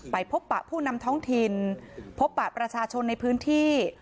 พบปะผู้นำท้องถิ่นพบปะประชาชนในพื้นที่